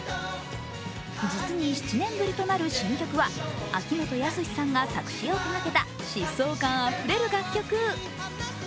実に７年ぶりとなる新曲は秋元康さんが作詞を手がけた疾走感あふれる楽曲。